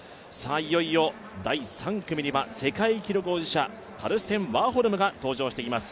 いよいよ、第３組には世界記録保持者カルステン・ワーホルムが登場しています。